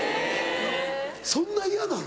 そんな嫌なの。